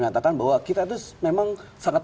mengatakan bahwa kita itu memang sangat